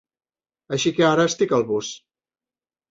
Així que ara estic al bus.